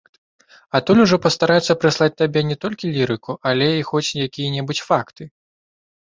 Адтуль ужо пастараюся прыслаць табе не толькі лірыку, але і хоць якія-небудзь факты.